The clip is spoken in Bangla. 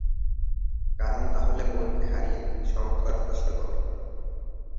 কারণ তাহলে বোনকে হারিয়ে "শঙ্কর" কষ্ট পাবে।